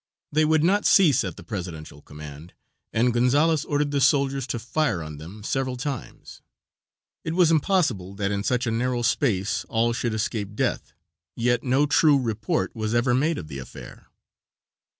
They would not cease at the presidential command, and Gonzales ordered the soldiers to fire on them several times. It was impossible that in such a narrow space all should escape death, yet no true report was ever made of the affair.